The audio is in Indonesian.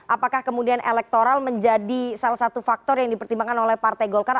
apakah kemudian elektoral menjadi salah satu faktor yang dipertimbangkan oleh partai golkar